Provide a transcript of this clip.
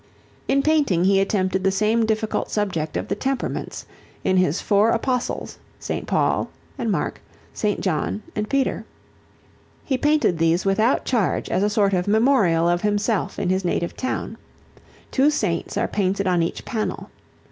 In painting he attempted the same difficult subject of the temperaments, in his four apostles, St. Paul and Mark, St. John and Peter. He painted these without charge as a sort of memorial of himself in his native town. Two saints are painted on each panel.